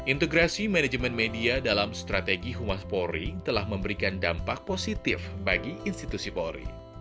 integrasi manajemen media dalam strategi humas polri telah memberikan dampak positif bagi institusi polri